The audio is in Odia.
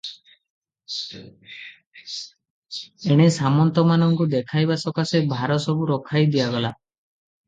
ଏଣେ ସାମନ୍ତ ମାନଙ୍କୁ ଦେଖାଇବା ସକାଶେ ଭାରସବୁ ରଖାଇ ଦିଆଗଲା ।